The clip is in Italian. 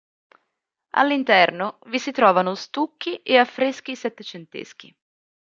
All'interno vi si trovano stucchi e affreschi settecenteschi.